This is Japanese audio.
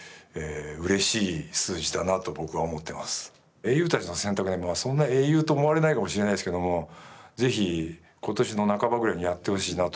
「英雄たちの選択」でそんな英雄とは思われないかもしれないけども是非今年の半ばぐらいにやってほしいなと。